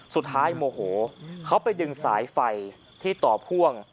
สุดท้ายโมโหเขาไปดึงสายไฟที่ตอบห่วง